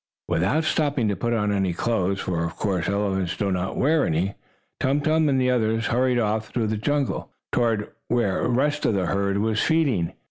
Without stopping to put on any clothes, for of course elephants do not wear any, Tum Tum and the others hurried off through the jungle toward where the rest of the herd was feeding.